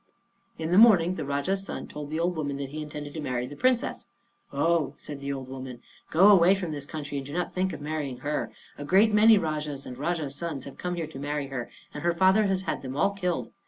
In the morning the Rajah's son told the old woman that he intended to marry the Princess. "Oh," said the old woman, "go away from this country, and do not think of marrying her. A great many Rajahs and Rajahs' sons have come here to marry her, and her father has had them all killed.